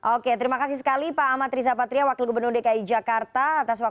oke terima kasih sekali pak ahmad riza patria wakil gubernur dki jakarta